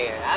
aku tuh gra